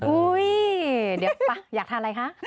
อุ้ยเดี๋ยวป่ะอยากทานอะไรคะ